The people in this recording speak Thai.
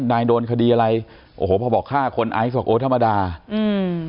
นายโดนคดีอะไรโอ้โหพอบอกฆ่าคนไอซ์บอกโอ้ธรรมดาอืม